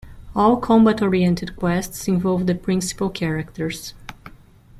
All combat-oriented quests involve the principal characters.